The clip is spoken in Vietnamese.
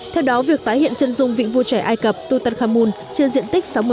theo đó việc tái hiện chân rung vị vua trẻ ai cập tutankhamun trên diện tích sáu mươi m hai